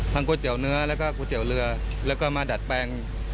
ก๋วยเตี๋ยวเนื้อแล้วก็ก๋วยเตี๋ยวเรือแล้วก็มาดัดแปลง